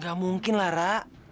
gak mungkin laura